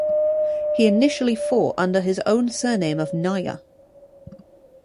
He initially fought under his own surname of Naya.